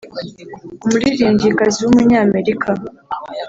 umuririmbyikazi w’umunyamerika